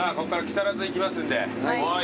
はい。